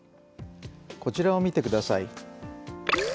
こちらを見てください。